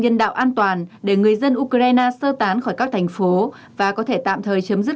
nhân đạo an toàn để người dân ukraine sơ tán khỏi các thành phố và có thể tạm thời chấm dứt